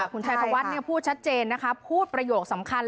คุณชัยธวัฒน์พูดชัดเจนนะคะพูดประโยคสำคัญ